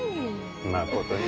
まことに。